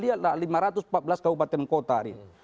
lihatlah lima ratus empat belas kabupaten kota hari ini